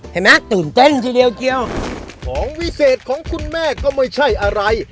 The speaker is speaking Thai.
เห็นไหมตื่นเต้นทีเดียวเจียวของวิเศษของคุณแม่ก็ไม่ใช่อะไร